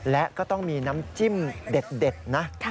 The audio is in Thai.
และก็ต้องมีน้ำจิ้มเด็ดนะ